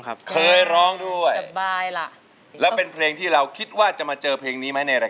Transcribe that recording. ไม่บอกก็รู้ว่าเป็นเพลงของคุณอาชายเมืองสิงหรือเปล่า